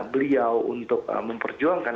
beliau untuk memperjuangkan